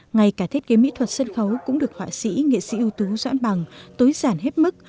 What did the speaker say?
ngay cả thiết kế mỹ thuật sân khấu cũng được họa sĩ nghệ sĩ ưu tú doãn bằng tối giản hết mức